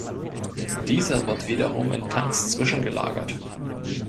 Dieser wird wiederum in Tanks zwischengelagert.